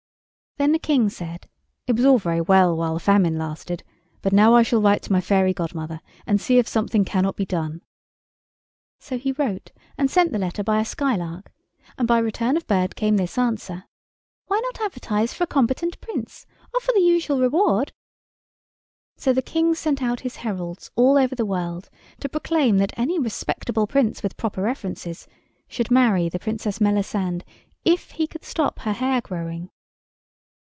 Then the King said: "It was all very well while the famine lasted—but now I shall write to my fairy godmother and see if something cannot be done." So he wrote and sent the letter by a skylark, and by return of bird came this answer— "Why not advertise for a competent Prince? Offer the usual reward." So the King sent out his heralds all over the world to proclaim that any respectable Prince with proper references should marry the Princess Melisande if he could stop her hair growing.